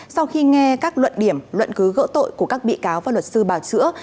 sau khi nghe các luận điểm luận cứ gỡ tội của các bị cáo và luật sư bào chữa